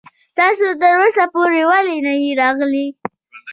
تاسو تر اوسه پورې ولې نه يې راغلی.